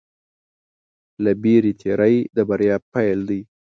له وېرې تېری د بریا پيل دی.